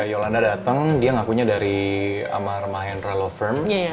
yolanda dateng dia ngakunya dari amar mahendra law firm